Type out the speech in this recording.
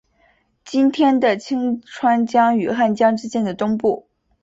在今天的清川江与汉江之间的东部。